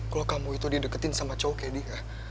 kalo kamu itu dideketin sama cowok kayak dia